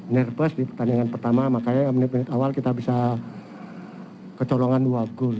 nervous di pertandingan pertama makanya menit menit awal kita bisa kecolongan dua gol